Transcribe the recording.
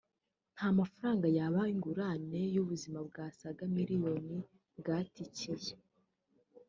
nta mafaranga yaba ingurane y’ubuzima bw’abasaga miliyoni bwatikiye